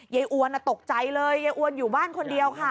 อวนตกใจเลยยายอวนอยู่บ้านคนเดียวค่ะ